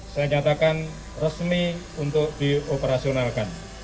saya nyatakan resmi untuk dioperasionalkan